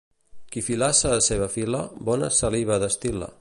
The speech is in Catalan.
Qui filassa seva fila bona saliva destil·la.